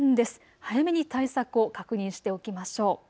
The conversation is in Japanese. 早めに対策を確認しておきましょう。